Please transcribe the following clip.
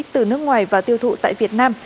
từ nước ngoài và tiêu thụ tại việt nam